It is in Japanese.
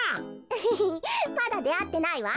アハハまだであってないわ。